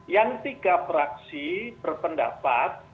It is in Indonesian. yang tiga fraksi berpendapat